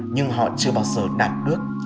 nhưng họ chưa bao giờ đạt được